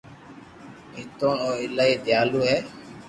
نيتوڙ او ايلائي ديالو ھي